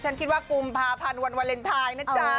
ฉันคิดว่ากุมภาพันธ์วันวาเลนไทยนะจ๊ะ